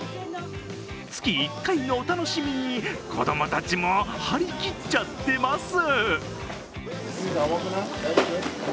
月１回のお楽しみに、子供たちも張り切っちゃってます。